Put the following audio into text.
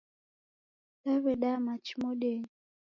Dawedaya machi modenyi